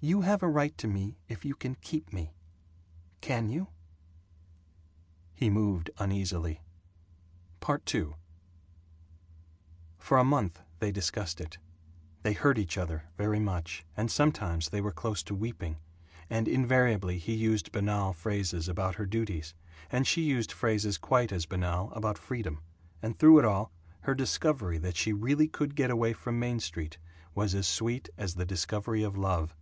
"You have a right to me if you can keep me. Can you?" He moved uneasily. II For a month they discussed it. They hurt each other very much, and sometimes they were close to weeping, and invariably he used banal phrases about her duties and she used phrases quite as banal about freedom, and through it all, her discovery that she really could get away from Main Street was as sweet as the discovery of love.